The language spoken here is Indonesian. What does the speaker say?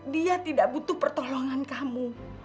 dia tidak butuh pertolongan kamu